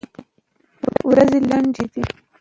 ورځي لنډيږي